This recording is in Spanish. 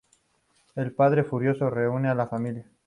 El padre, furioso, reúne a la familia.